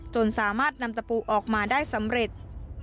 จนสามารถนำตะปูออกมาได้สำเร็จ